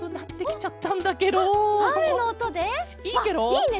いいね！